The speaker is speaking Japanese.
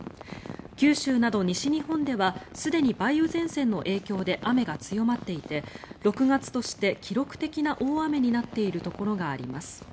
九州など西日本ではすでに梅雨前線の影響で雨が強まっていて６月として記録的な大雨になっているところがあります。